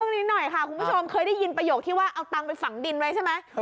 คุณผู้ชมเคยได้ยินประโยคที่ว่าเอาตังไปฝั่งดินไว้ใช่ไหม